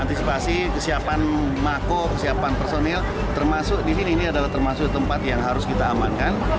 antisipasi kesiapan mako kesiapan personil termasuk di sini ini adalah termasuk tempat yang harus kita amankan